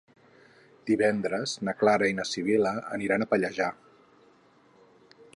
Divendres na Clara i na Sibil·la aniran a Pallejà.